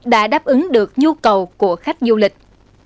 đã đáp ứng được nhu cầu của khách du lịch